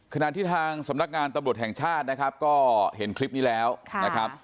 ขณะที่ทางสำนักงานตำรวจแห่งชาตินะครับก็เห็นคลิปนี้แล้วนะครับ